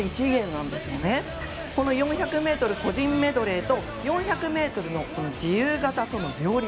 この４００ｍ個人メドレーと４００ｍの自由形との両立。